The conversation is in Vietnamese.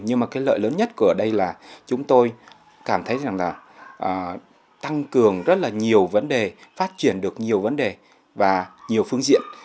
nhưng mà cái lợi lớn nhất của ở đây là chúng tôi cảm thấy rằng là tăng cường rất là nhiều vấn đề phát triển được nhiều vấn đề và nhiều phương diện